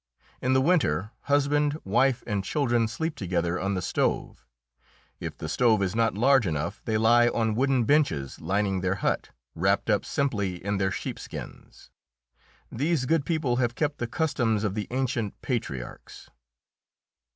In the winter husband, wife and children sleep together on the stove; if the stove is not large enough, they lie on wooden benches lining their hut, wrapped up simply in their sheepskins. These good people have kept the customs of the ancient patriarchs.